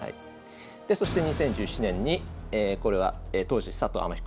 でそして２０１７年にこれは当時佐藤天彦名人が。